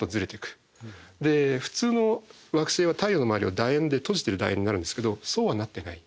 普通の惑星は太陽の周りをだ円で閉じてるだ円になるんですけどそうはなってない。